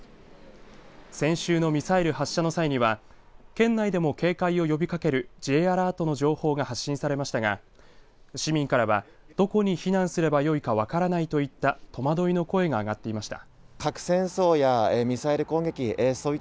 先週のミサイル発射の際には県内でも警戒を呼びかけるＪアラートの情報が発信されましたが市民からは、どこに避難すればよいか分からないといった戸惑いの声が上がっていました。